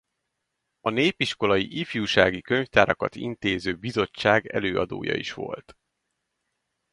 A népiskolai ifjúsági könyvtárakat intéző bizottság előadója is volt.